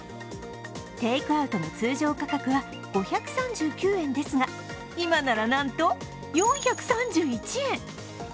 テイクアウトの通常価格は５３９円ですが、今なら、なんと４３１円。